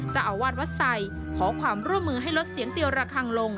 เจ้าอาวาสวัดไสขอความร่วมมือให้ลดเสียงเตียวระคังลง